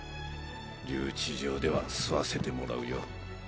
留置場では吸わせてもらうよ。